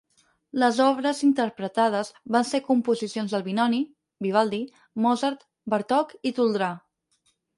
Les obres interpretades van ser composicions d'Albinoni, Vivaldi, Mozart, Bartók i Toldrà.